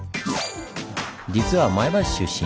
実は前橋出身。